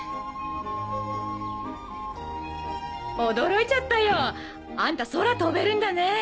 驚いちゃったよあんた空飛べるんだね。